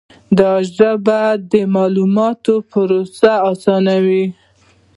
دا ژبه د معلوماتو پروسس آسانوي.